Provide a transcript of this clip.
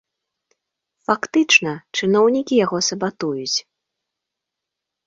Фактычна, чыноўнікі яго сабатуюць.